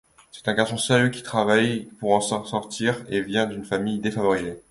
C'est un garçon sérieux qui travaille pour s’en sortir et vient d’une famille défavorisée.